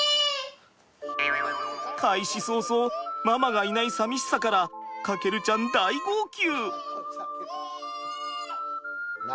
開始早々ママがいないさみしさから翔ちゃん大号泣。